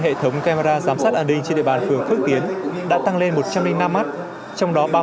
hệ thống camera giám sát an ninh trên địa bàn phường phước tiến đã tăng lên một trăm linh năm mắt trong đó ba mươi